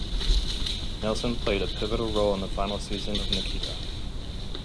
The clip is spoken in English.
Nelson played a pivotal role in the final season of "Nikita".